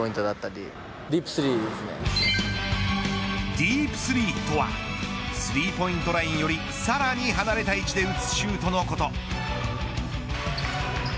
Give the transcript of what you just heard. ディープスリーとはスリーポイントラインよりさらに離れた位置で打つシュートのこと。